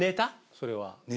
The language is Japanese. それは。